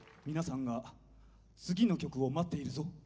皆さんが次の曲を待っているぞ。